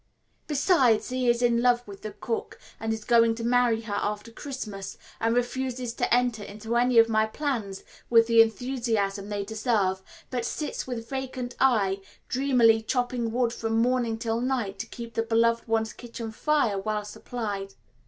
Besides, he is in love with the cook, and is going to marry her after Christmas, and refuses to enter into any of my plans with the enthusiasm they deserve, but sits with vacant eye dreamily chopping wood from morning till night to keep the beloved one's kitchen fire well supplied.